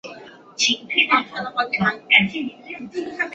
这是蒙特利尔地铁两个跨月台转车站中其中一个。